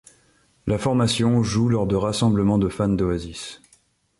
La formation joue lors de rassemblements de fans d'Oasis.